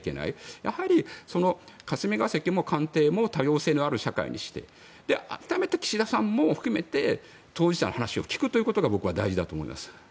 やはり霞が関も官邸も多様性のある社会にして改めて岸田さんも含めて当事者の話を聞くということが僕は大事だと思います。